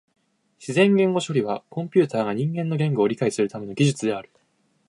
自然言語処理はコンピュータが人間の言語を理解するための技術である。